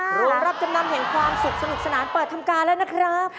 โรงรับจำนำแห่งความสุขสนุกสนานเปิดทำการแล้วนะครับ